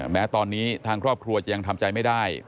แม้ตอนนี้ทางครอบครัวจะยังทำใจไม่ได้